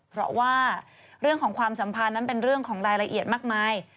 เพราะว่าเรื่องของความสัมพันธ์นั้นเป็นเรื่องของรายละเอียดมากมาย